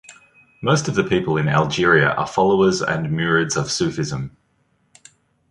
Most of the people in Algeria are the followers and murids of Sufism.